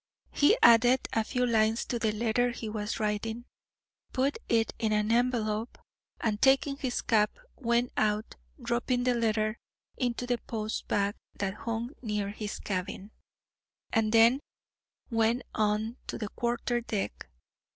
He added a few lines to the letter he was writing, put it in an envelope, and, taking his cap, went out, dropping the letter into the post bag that hung near his cabin, and then went on to the quarter deck.